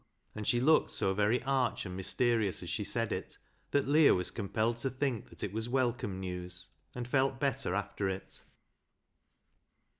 And she looked so very arch and mysterious as she said it, that Leah was compelled to think that it was welcome news, and felt better after it.